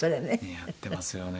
似合ってますよね。